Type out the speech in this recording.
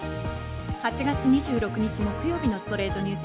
８月２６日、木曜日の『ストレイトニュース』。